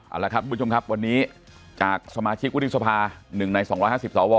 เอาละครับคุณผู้ชมครับวันนี้จากสมาชิกวุฒิสภาหนึ่งในสองร้อยห้าสิบสอวอ